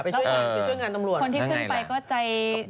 ไปช่วยงานตำรวจคนที่ขึ้นไปก็ใจเออเออนั่งไงล่ะ